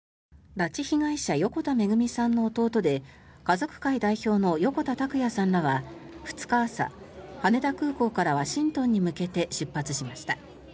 拉致被害者横田めぐみさんの弟で家族会代表の横田拓也さんらは２日朝羽田空港からワシントンに向けて出発しました。